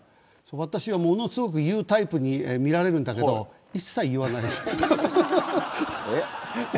私はものすごく言うタイプに見られるんだけど一切言わない。